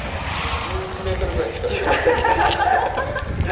１１ｍぐらいしか。